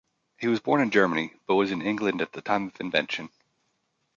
He was born in Germany, but was in England at the time of invention.